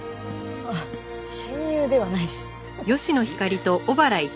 あっ親友ではないしハハハ。